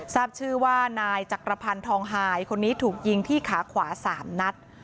ทราบชื่อว่านายจักรพันธ์ทองหายคนนี้ถูกยิงที่ขาขวา๓นัด